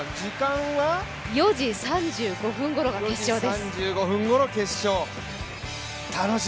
４時３５分ごろが決勝です。